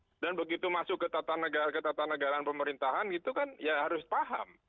kemudian begitu masuk ke tata negara ketatanegaraan pemerintahan itu kan ya harus paham